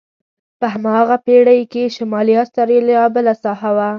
په هماغه پېړۍ کې شمالي استرالیا بله ساحه وه.